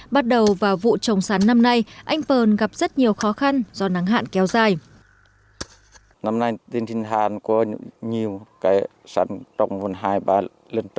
bắt đầu vào vụ trồng sắn năm nay anh pờn gặp rất nhiều khó khăn do nắng hạn kéo dài